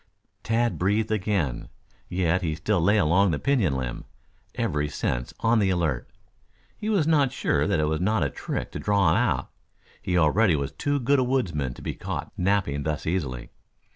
Tad breathed again. Yet he still lay along the pinon limb, every sense on the alert. He was not sure that it was not a trick to draw him out. He already was too good a woodsman to be caught napping thus easily.